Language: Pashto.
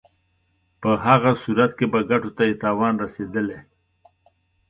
په هغه صورت کې به ګټو ته یې تاوان رسېدلی.